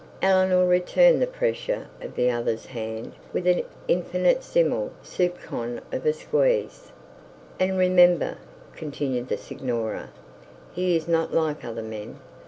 Eleanor returned the pressure of the other's hand with an infinitesimal soupcon of a squeeze. 'And remember,' said the signora, 'he is not like other men.